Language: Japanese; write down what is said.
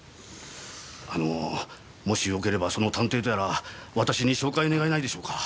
あのもしよければその探偵とやら私に紹介願えないでしょうか？